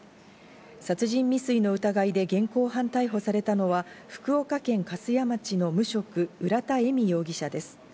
殺人未遂の疑いで現行犯逮捕されたのは、福岡県粕屋町の無職・浦田恵美容疑者です。